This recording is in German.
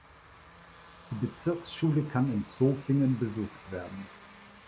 Die Bezirksschule kann in Zofingen besucht werden.